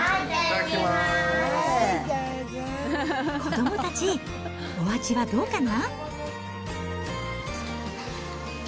子どもたち、お味はどうかな？